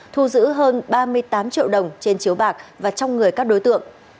ba mươi tám triệu đồng trên chiếu bạc và trong người các đối tượng